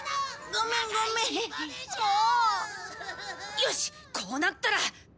よしこうなったら。